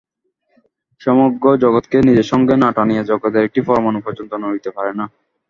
সমগ্র জগৎকে নিজের সঙ্গে না টানিয়া জগতের একটি পরমাণু পর্যন্ত নড়িতে পারে না।